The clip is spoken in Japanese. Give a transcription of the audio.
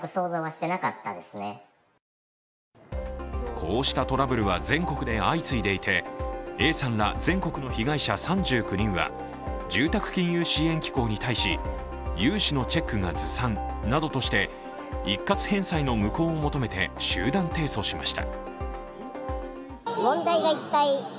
こうしたトラブルは全国で相次いでいて、Ａさんら全国の被害者３９人は住宅金融支援機構に対し融資のチェックがずさんなどとして、一括返済の無効を求めて集団提訴しました。